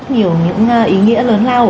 nhiều những ý nghĩa lớn lao